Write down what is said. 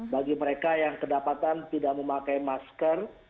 bagi mereka yang kedapatan tidak memakai masker